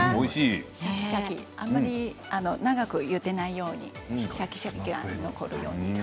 シャキシャキあまり長くゆでないようにシャキシャキが残るように。